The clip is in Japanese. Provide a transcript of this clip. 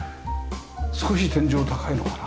少し天井高いのかな？